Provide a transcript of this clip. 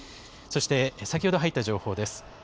そして、先ほど入った情報です。